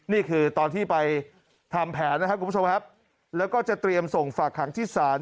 นี่คือตอนที่ไปทำแผนนะครับคุณผู้ชมครับแล้วก็จะเตรียมส่งฝากขังที่ศาล